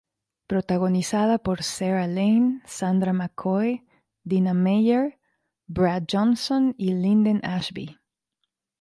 Protagonizada por Sarah Laine, Sandra McCoy, Dina Meyer, Brad Johnson y Linden Ashby.